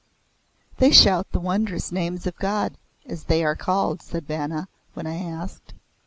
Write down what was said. "They shout the Wondrous Names of God as they are called," said Vanna when I asked.